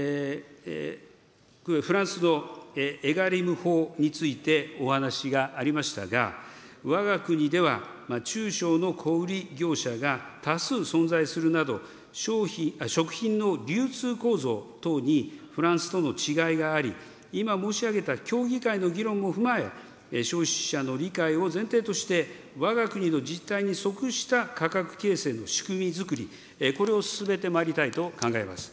フランスのエガリム法についてお話がありましたが、わが国では、中小の小売り業者が多数存在するなど、食品の流通構造等に、フランスとの違いがあり、今申し上げた協議会の議論も踏まえ、消費者の理解を前提として、わが国の実態に則した価格形成の仕組みづくり、これを進めてまいりたいと考えます。